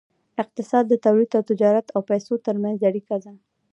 اقتصاد د تولید او تجارت او پیسو ترمنځ اړیکه ده.